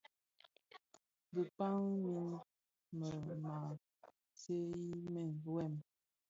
Kidhaň min bi maa seňi wêm,